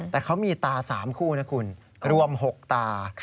แต่เขามีตา๓คู่นะคุณรวม๖ตา